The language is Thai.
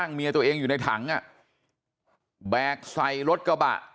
เมียตัวเองอยู่ในถังอ่ะแบกใส่รถกระบะ